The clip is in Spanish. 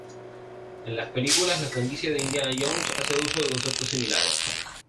En las películas, la franquicia de "Indiana Jones" hace uso de conceptos similares.